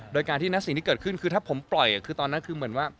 โดยการที่ณสิ่งที่เกิดขึ้นคือถ้าผมปล่อยคือตอนนั้นคือเหมือนว่า